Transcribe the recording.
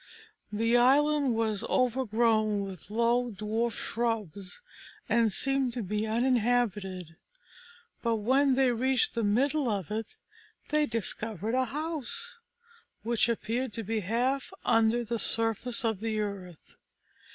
The island was overgrown with low dwarf shrubs, and seemed to be uninhabited; but when they had reached the middle of it, they discovered a house, which appeared to be half under the surface of the earth.